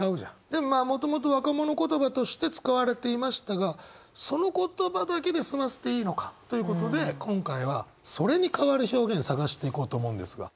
でもまあもともと若者言葉として使われていましたがその言葉だけで済ませていいのかということで今回はそれに代わる表現探していこうと思うんですが。